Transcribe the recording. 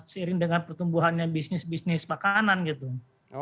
sering dengan pertumbuhan bisnis bisnis makanan gitu